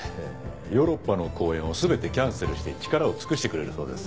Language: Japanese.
ヨーロッパの公演を全てキャンセルして力を尽くしてくれるそうです